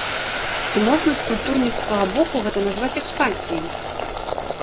Ці можна з культурніцкага боку гэта назваць экспансіяй?